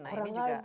nah ini juga